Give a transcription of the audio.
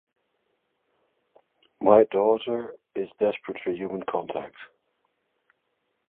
My daughter is desperate for human contact